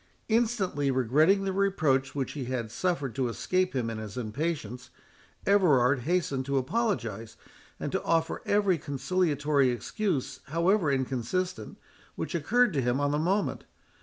Instantly regretting the reproach which he had suffered to escape him in his impatience, Everard hastened to apologise, and to offer every conciliatory excuse, however inconsistent, which occurred to him on the moment.